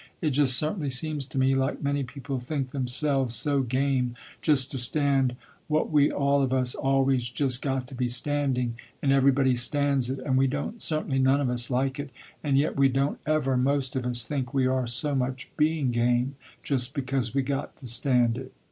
It just certainly seems to me, like many people think themselves so game just to stand what we all of us always just got to be standing, and everybody stands it, and we don't certainly none of us like it, and yet we don't ever most of us think we are so much being game, just because we got to stand it."